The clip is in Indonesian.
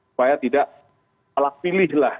supaya tidak alat pilihlah